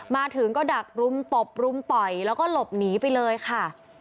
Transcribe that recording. มาถึงก็ดักรุมตบรุมต่อยแล้วก็หลบหนีไปเลยค่ะ